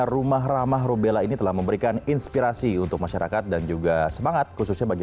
rumah ramah rubella ini telah memberikan inspirasi untuk masyarakat dan juga semangat khususnya bagi